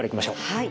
はい。